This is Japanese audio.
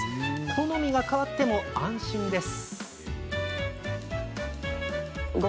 好みが変わっても安心です。